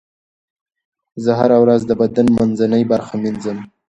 زه هره ورځ د بدن منځنۍ برخه مینځم.